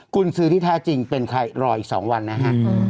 คุณซื้อที่แท้จริงเป็นใครรออีก๒วันนะฮะ